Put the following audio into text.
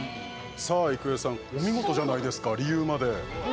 郁恵さんお見事じゃないですか、理由まで。